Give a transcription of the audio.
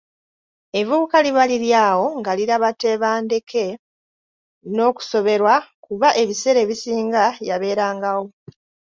Evvubuka liba liri awo nga liraba Tebandeke n’okusoberwa kuba ebiseera ebisinga yabeerangawo.